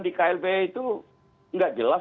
di klb itu nggak jelas